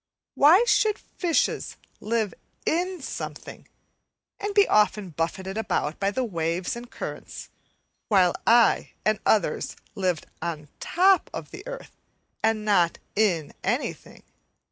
Why should fishes live in something and be often buffeted about by waves and currents, while I and others lived on the top of the earth and not in anything?